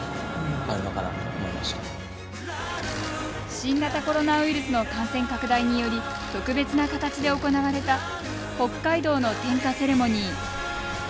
新型コロナウイルスの感染拡大により特別な形で行われた北海道の点火セレモニー。